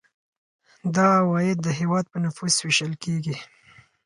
دا عواید د هیواد په نفوس ویشل کیږي.